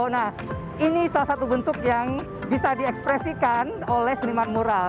nah ini salah satu bentuk yang bisa diekspresikan oleh seniman mural